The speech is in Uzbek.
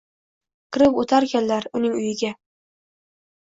Kirib o’tarkanlar uning uyiga.